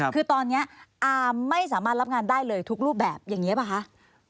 คือตอนนี้อาร์มไม่สามารถรับงานได้เลยทุกรูปแบบอย่างนี้ป่ะคะ